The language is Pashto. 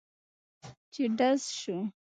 چې ډز سو.